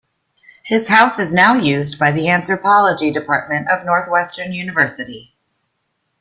His house is now used by the Anthropology Department of Northwestern University.